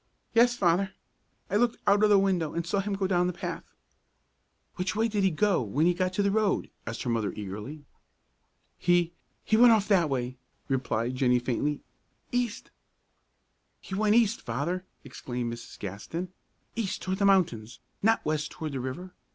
"Yes, Father; I looked out o' the window, an' saw him go down the path." "Which way did he go when he got to the road?" asked her mother, eagerly. "He he went off that way," replied Jennie, faintly, "east." "He went east, Father!" exclaimed Mrs. Gaston, "east toward the mountains, not west toward the river.